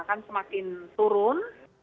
kan semakin turun